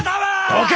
どけ！